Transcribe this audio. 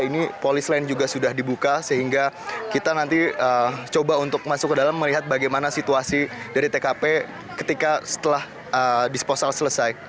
ini polis lain juga sudah dibuka sehingga kita nanti coba untuk masuk ke dalam melihat bagaimana situasi dari tkp ketika setelah disposal selesai